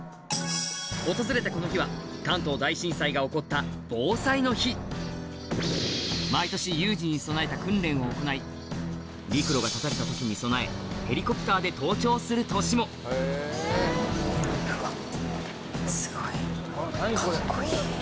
訪れたこの日は関東大震災が起こった防災の日毎年有事に備えた訓練を行い陸路が断たれた時に備えヘリコプターで登庁する年もうわっ。